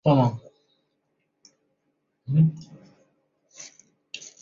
该物种的模式产地在广州海产渔业公司。